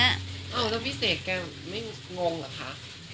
อาเศษแกไม่งงเหรอคะ